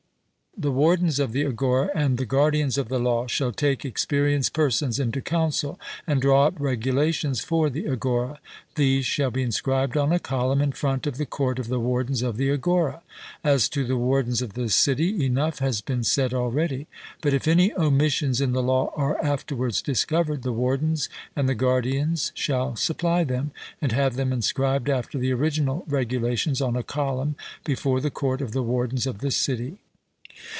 The wardens of the agora and the guardians of the law shall take experienced persons into counsel, and draw up regulations for the agora. These shall be inscribed on a column in front of the court of the wardens of the agora. As to the wardens of the city, enough has been said already. But if any omissions in the law are afterwards discovered, the wardens and the guardians shall supply them, and have them inscribed after the original regulations on a column before the court of the wardens of the city.